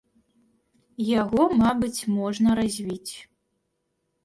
Яго, мабыць, можна развіць.